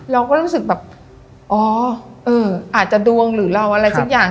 เราก็รู้สึกแบบอ๋ออาจจะดวงหรือเราอะไรสักอย่าง